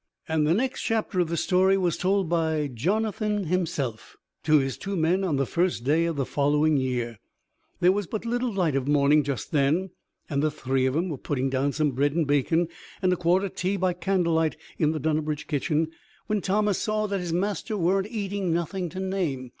And the next chapter of the story was told by Jonathan himself to his two men on the first day of the following year. There was but little light of morning just then, and the three of 'em were putting down some bread and bacon and a quart of tea by candlelight in the Dunnabridge kitchen, when Thomas saw that his master weren't eating nothing to name.